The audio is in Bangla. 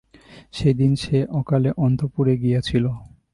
সেইদিন সে অকালে অন্তঃপুরে গিয়াছিল।